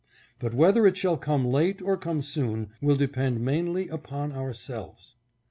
But whether it shall come late or come soon will depend mainly upon ourselves.